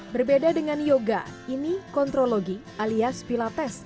berbeda dengan yoga ini kontrologi alias pilates